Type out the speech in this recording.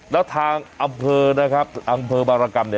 แล้วทางอำเภอบารกรรม